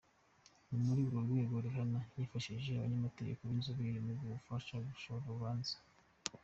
Ni muri urwo rwego Rihanna yifashije abanyamategeko b’inzobere ngo bamufashe gushoza urubanza.